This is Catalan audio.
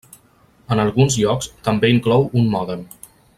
En alguns llocs també inclou un mòdem.